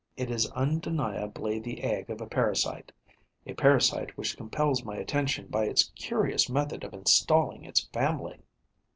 It is undeniably the egg of a parasite, a parasite which compels my attention by its curious method of installing its family.